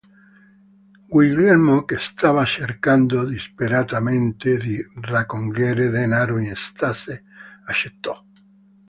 Guglielmo che stava cercando disperatamente di raccogliere denaro in tasse accettò.